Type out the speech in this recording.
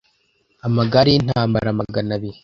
amagare y intambara magana abiri